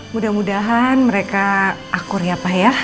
mudah mudahan mereka akur ya pak ya